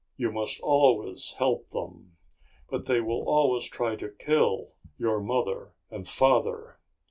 You must always help them. But they will always try to kill your mother and father.